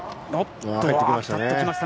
入ってきました。